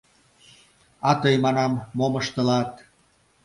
А тый, манам, мом ыштылат?